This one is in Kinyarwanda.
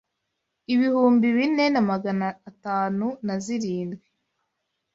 ibihumbi bine na Magana atanu na zirindwi